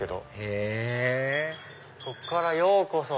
へぇこっから「ようこそ」！